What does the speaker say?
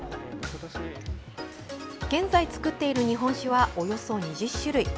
現在造っている日本酒はおよそ２０種類。